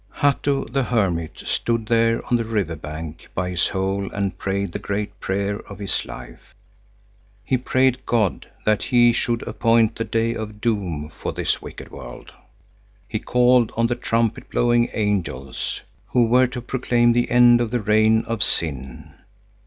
Hatto the hermit stood there on the river bank by his hole and prayed the great prayer of his life. He prayed God that He should appoint the day of doom for this wicked world. He called on the trumpet blowing angels, who were to proclaim the end of the reign of sin.